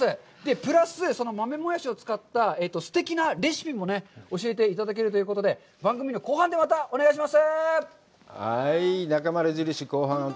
プラス、その豆もやしを使ったすてきなレシピも教えていただけるということで、番組の後半でまたお願いします。